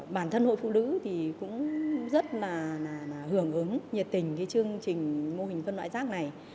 bản thân hội phụ nữ thì cũng rất là hưởng ứng nhiệt tình cái chương trình mô hình phân loại rác này